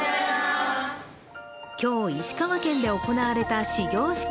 今日、石川県で行われた始業式。